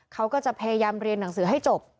เขาก็จะพยายามเรียนหนังสือให้จบ